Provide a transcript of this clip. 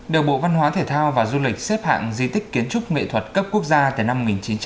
điều bộ văn hóa thể thao và du lịch xếp hạng di tích kiến trúc nghệ thuật cấp quốc gia từ năm một nghìn chín trăm tám mươi tám